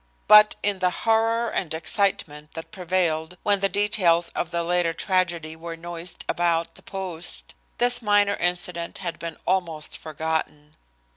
But, in the horror and excitement that prevailed when the details of the later tragedy were noised about the post, this minor incident had been almost forgotten.